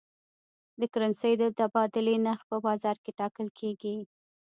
د کرنسۍ د تبادلې نرخ په بازار کې ټاکل کېږي.